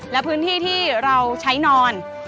และพื้นที่ที่เราใช้นอน